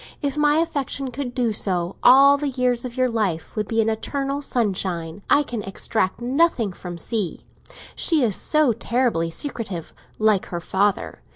If my affection could do so, all the years of your life would be an eternal sunshine. I can extract nothing from C.; she is so terribly secretive, like her father.